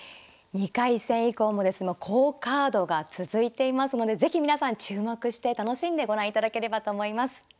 ２回戦以降も好カードが続いていますので是非皆さん注目して楽しんでご覧いただければと思います。